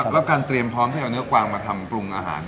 แล้วการเตรียมพร้อมที่เอาเนื้อกวางมาทำปรุงอาหาร